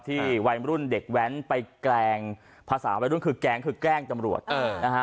วัยรุ่นเด็กแว้นไปแกล้งภาษาวัยรุ่นคือแกล้งคือแกล้งตำรวจนะฮะ